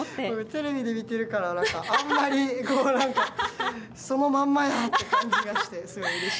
テレビで見てるからあまりそのまんまやという感じがして、すごいうれしい。